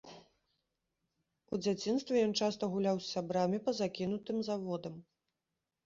У дзяцінстве ён часта гуляў з сябрамі па закінутым заводам.